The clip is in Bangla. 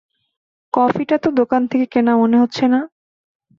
কফিটা তো দোকান থেকে কেনা মনে হচ্ছে না!